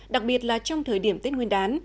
đặc biệt là trong thời điểm tết nguyên đán